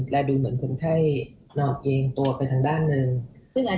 แต่จริงตรงนี้ถ้าเยอะดีก็ต้องเงินสองคน